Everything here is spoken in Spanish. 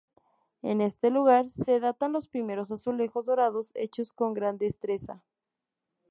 En este lugar se datan los primeros azulejos dorados hechos con gran destreza.